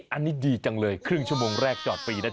อันนี้ดีจังเลยครึ่งชั่วโมงแรกจอดฟรีนะจ